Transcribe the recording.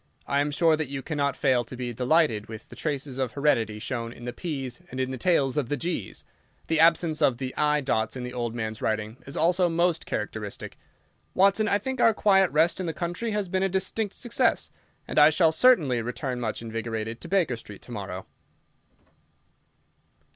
I am sure that you cannot fail to be delighted with the traces of heredity shown in the p's and in the tails of the g's. The absence of the i dots in the old man's writing is also most characteristic. Watson, I think our quiet rest in the country has been a distinct success, and I shall certainly return much invigorated to Baker Street to morrow."